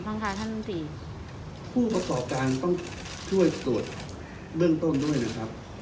ท่านค่ะท่านลำตีผู้ประกอบการต้องช่วยตรวจเบื้องต้นด้วยนะครับ